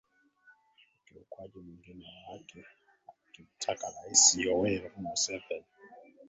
ukiukwaji mwingine wa haki akimtaka Raisi Yoweri Museveni